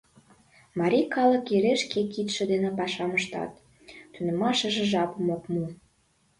Марий калык эре шке кидше дене пашам ыштат, тунемашыже жапым ок му.